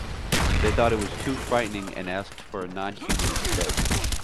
They thought it was too frightening and asked for a non-human instead.